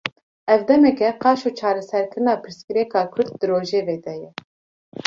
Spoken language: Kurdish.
Ev demeke, qaşo çareserkirina pirsgirêka Kurd, di rojevê de ye